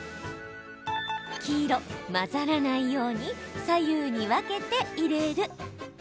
黄色・混ざらないように左右に分けて入れる。